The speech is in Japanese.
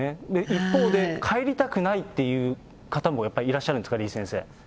一方で帰りたくないって方もいらっしゃるんですか、李先生。